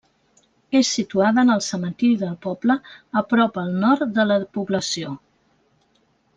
És situada en el cementiri del poble, a prop al nord de la població.